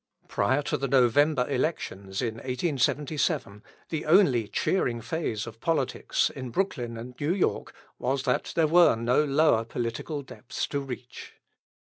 Prior to the November Elections in 1877, the only cheering phase of politics in Brooklyn and New York was that there were no lower political depths to reach.